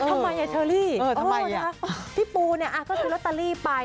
ทำไมไงเชอรี่เออทำไมอ่ะพี่ปูเนี่ยอ่ะก็ซื้อโรตารีไป